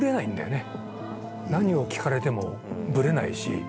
何を聞かれてもブレないし。